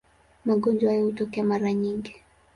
Magonjwa hayo hutokea mara nyingi.